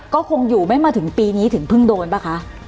ก็คงอยู่ไม่มาถึงปีนี้ถึงเพิ่งโดนป่ะคะ